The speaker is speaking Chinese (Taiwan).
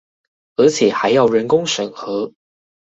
而且還要人工審核